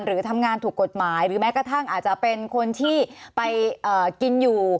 หรือทำงานถูกกฎหมายหรือแม้กระทั่งอาจจะเป็นคนที่ไปกินอยู่